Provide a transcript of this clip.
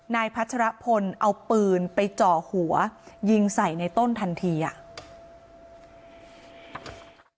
พัชรพลเอาปืนไปเจาะหัวยิงใส่ในต้นทันทีอ่ะ